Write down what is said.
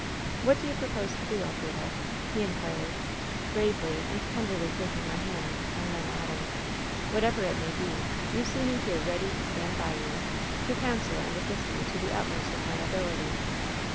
" 'What do you propose to do. Elf rida V he inquired, gravely and tenderly taking my hand, and then adding: 'Whatever it may be, you see me here ready to stand by you, to counsel and assist you to the utmost of my ability.'